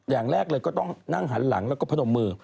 อย่างแรกเลยก็ต้องนั่งหันหลังแล้วก็พนมมือ